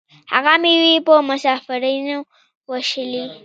هغه میوې په مسافرینو ویشلې.